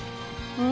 うん？